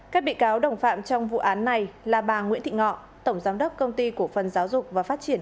các bị cáo đồng phạm trong vụ án này là bà nguyễn thị ngọ tổng giám đốc công ty cổ phần giáo dục và phát triển